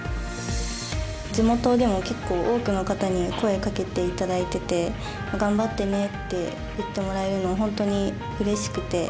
地元でも結構多くの方に声かけていただいてて頑張ってねって言ってもらえるのは本当にうれしくて。